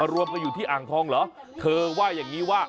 รวมกันอยู่ที่อ่างทองเหรอเธอว่าอย่างนี้ว่า